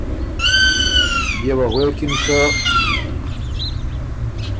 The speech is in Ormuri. بيې وه غوېکِن که:ـ